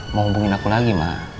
mau hubungin aku lagi mak